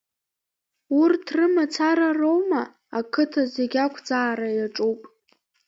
Урҭ рымацара роума, ақыҭа зегьы ақәӡаара иаҿуп.